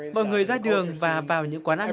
mọi người ra đường và vào những quán ăn